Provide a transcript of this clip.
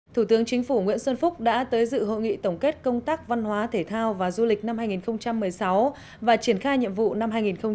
thủ tướng chính phủ nguyễn xuân phúc đã tới dự hội nghị tổng kết công tác văn hóa thể thao và du lịch năm hai nghìn một mươi sáu và triển khai nhiệm vụ năm hai nghìn một mươi chín